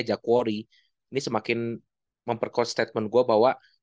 jack quarry ini semakin memperkos statement gue bahwa